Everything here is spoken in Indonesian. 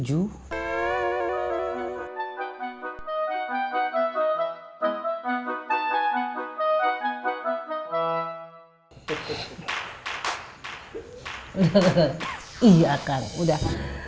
udah kan udah